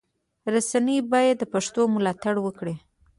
رسنی باید د پښتو ملاتړ وکړي.